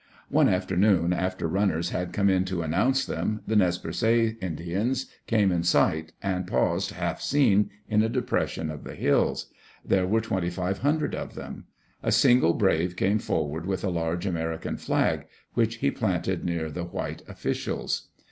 One afternoon, after runners had come in to announce them, the Nez Perces Indians came in sight, and paused, half seen in a depression of the hills. There were twenty five hundred of them. A single brave came forward with a large American flag, which he planted near the white officials.